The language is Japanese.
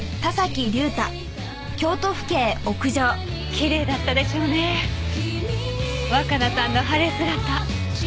きれいだったでしょうね若菜さんの晴れ姿。